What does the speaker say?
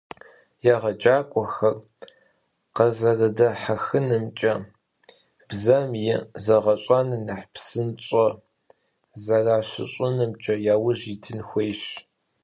ЕджакӀуэхэр къэзэрыдэхьэхынымкӀэ, бзэм и зэгъэщӀэныр нэхъ псынщӀэ зэращыщӀынымкӀэ яужь итын хуейщ.